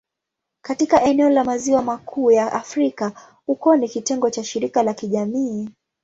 Katika eneo la Maziwa Makuu ya Afrika, ukoo ni kitengo cha shirika la kijamii.